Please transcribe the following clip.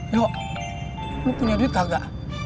yuk lo punya duit kagak